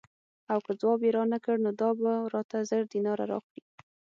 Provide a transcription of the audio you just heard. او که ځواب یې رانه کړ نو دا به راته زر دیناره راکړي.